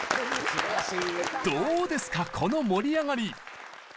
どうですかこの盛り上がり！